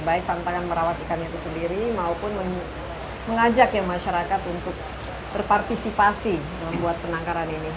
baik tantangan merawat ikan itu sendiri maupun mengajak ya masyarakat untuk berpartisipasi membuat penangkaran ini